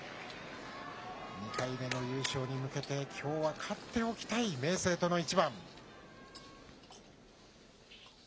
２回目の優勝に向けて、きょうは勝っておきたい明生との一番。